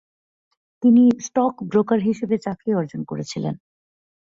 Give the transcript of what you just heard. তিনি স্টকব্রোকার হিসাবে চাকরি অর্জন করেছিলেন।